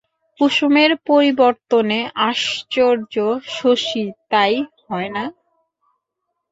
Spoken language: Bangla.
কুসুমের পরিবর্তনে আশ্চর্য শশী তাই হয় না।